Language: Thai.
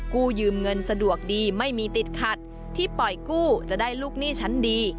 กู้ยืมเงินสะดวกดีไม่มีติดขัดที่ปล่อยกู้จะได้ลูกหนี้ชั้นดี